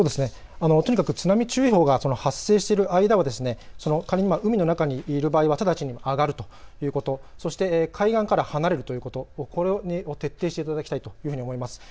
とにかく津波注意報が発生している間は仮に海の中にいる場合は直ちに上がるということ、そして海岸から離れるということ、これを徹底していただきたいと思います。